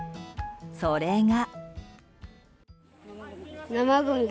それが。